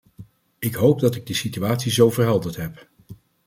Ik hoop dat ik de situatie zo verhelderd heb.